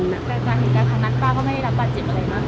แต่จากเหตุการณ์ทางนั้นป้าก็ไม่ได้รับบาดเจ็บอะไรมาก